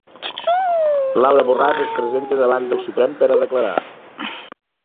Laura Borràs es presenta davant del Suprem per a declarar